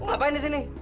ngapain di sini